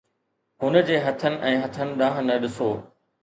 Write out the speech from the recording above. هن جي هٿن ۽ هٿن ڏانهن نه ڏسو